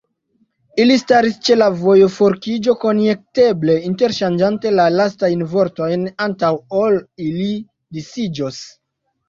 Ili staris ĉe la vojoforkiĝo, konjekteble interŝanĝante la lastajn vortojn, antaŭ ol ili disiĝos.